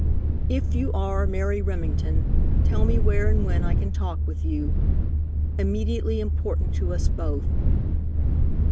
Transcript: If you are "Mary Remington," tell me where and when I can talk with you. Immediately important to us both!